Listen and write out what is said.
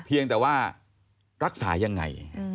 เพียงแต่ว่ารักษายังไง